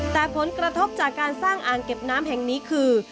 แต่ผลกระทบจากการสร้างอ่างเก็บน้ำแห่งนี้คือ